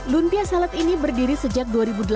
lumpia salad ini berdiri sejak dua ribu delapan